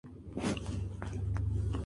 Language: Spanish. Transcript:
Publicó al menos diez volúmenes de poesía.